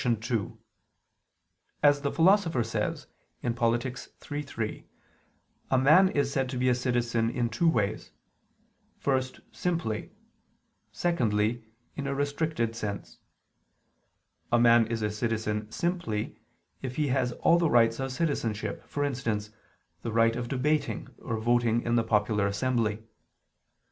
2: As the Philosopher says (Polit. iii, 3), a man is said to be a citizen in two ways: first, simply; secondly, in a restricted sense. A man is a citizen simply if he has all the rights of citizenship, for instance, the right of debating or voting in the popular assembly.